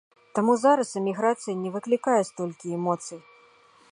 Таму зараз эміграцыя не выклікае столькі эмоцый.